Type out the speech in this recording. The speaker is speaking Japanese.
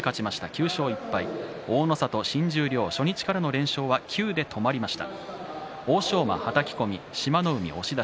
９勝１敗、大の里、新十両初日からの連勝は９で止まりました。